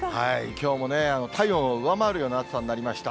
きょうもね、体温を上回るような暑さになりました。